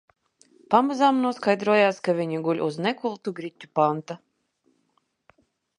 Pamazām noskaidrojās, ka viņi guļ uz nekultu griķu panta.